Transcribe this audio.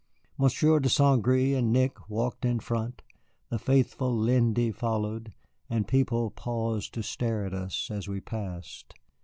Monsieur de St. Gré and Nick walked in front, the faithful Lindy followed, and people paused to stare at us as we passed.